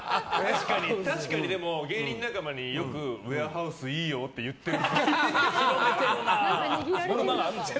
確かに芸人仲間によくウエアハウスいいよって言ってる。